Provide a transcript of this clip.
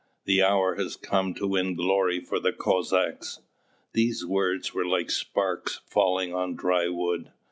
The hour has come to win glory for the Cossacks!" These words were like sparks falling on dry wood.